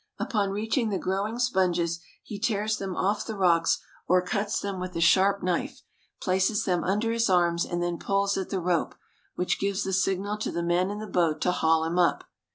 Upon reaching the growing sponges he tears them off the rocks or cuts them with a sharp knife, places them under his arms, and then pulls at the rope, which gives the signal to the men in the boat to haul him up.